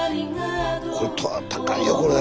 これ高いよこれ。